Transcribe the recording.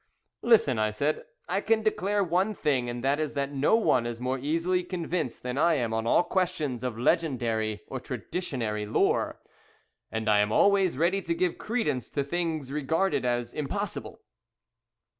"Listen," I said. "I can declare one thing, and that is that no one is more easily convinced than I am on all questions of legendary or traditionary lore and I am always ready to give credence to things regarded as impossible!"